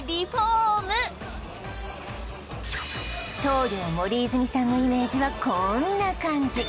棟梁森泉さんのイメージはこんな感じ